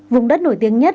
vùng đất nổi tiếng nhất